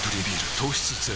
糖質ゼロ